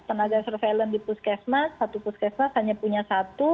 tenaga surveillance di puskesmas satu puskesmas hanya punya satu